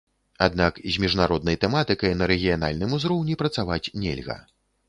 Аднак з міжнароднай тэматыкай на рэгіянальным узроўні працаваць нельга.